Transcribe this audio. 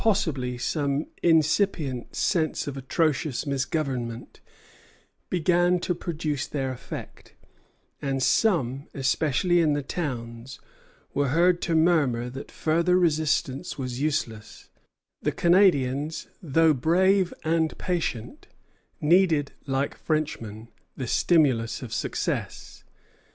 The reverses of the last campaign, hunger, weariness, and possibly some incipient sense of atrocious misgovernment, began to produce their effect; and some, especially in the towns, were heard to murmur that further resistance was useless. The Canadians, though brave and patient, needed, like Frenchmen, the stimulus of success.